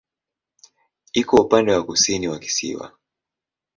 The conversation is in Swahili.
Iko upande wa kusini wa kisiwa.